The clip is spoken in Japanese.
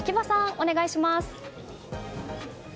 お願いします。